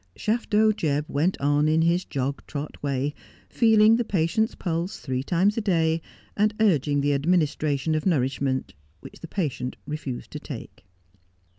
Shafto Jebb went on in his jog trot way, feeling the patient's pulse three times a day, and urging the administration of nourishment which the patient refused to take.